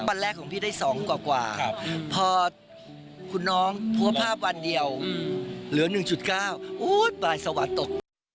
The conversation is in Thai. วันแรกของพี่ได้๒กว่าพอคุณน้องโพสต์ภาพวันเดียวเหลือ๑๙บายสวัสดิ์ตก